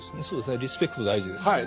そうですねリスペクト大事です。